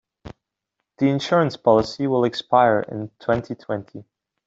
The insurance policy will expire in twenty-twenty.